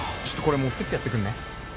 ちょっとこれ持ってってやってくんねえ？